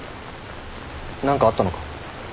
何かあったのか？